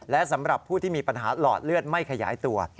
และสำหรับผู้ที่มีปัญหาหลอดเลือดไม่ขยายตัว